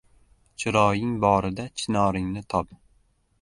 Chiroying borida chinoringni top!